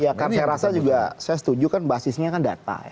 ya kan saya rasa juga saya setuju kan basisnya kan data